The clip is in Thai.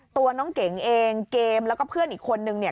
ตัวน้องเก๋งเองเกมแล้วก็เพื่อนอีกคนนึงเนี่ย